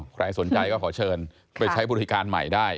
ใครสนใจก็ขอเชิญไปใช้บริการใหม่ได้